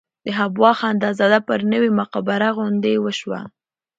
د حبواخندزاده پر نوې مقبره غونډه وشوه.